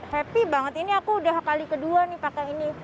happy banget ini aku udah kali kedua pake ini